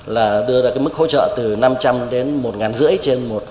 là đưa ra cái mức hỗ trợ từ năm trăm linh đến một năm trăm linh